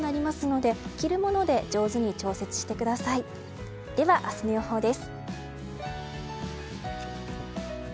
では、明日の予報です。